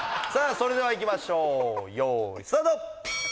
それではいきましょうよーいスタート！